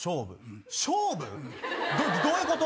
勝負⁉どういうこと？